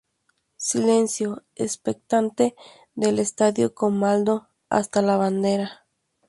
Silencio expectante del estadio colmado hasta la bandera.